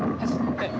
ada di bagian